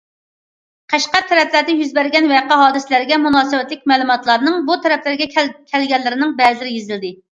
قەشقەر تەرەپلەردە يۈز بەرگەن ۋەقە- ھادىسىلەرگە مۇناسىۋەتلىك مەلۇماتلارنىڭ بۇ تەرەپلەرگە كەلگەنلىرىنىڭ بەزىلىرى يېزىلدى.